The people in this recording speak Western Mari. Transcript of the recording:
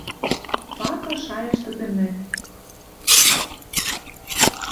Пакы шайышты тӹмӹк: